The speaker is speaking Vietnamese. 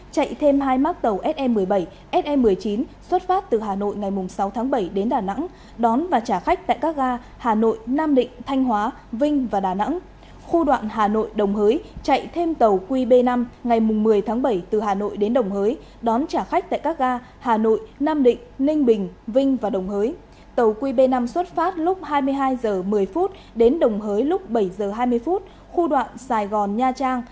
chạy thêm nhiều tàu khách đi đến quảng bình đà nẵng và nha trang